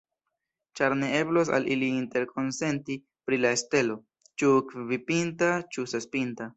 Ĉar ne eblos al ili interkonsenti pri la stelo, ĉu kvinpinta, ĉu sespinta.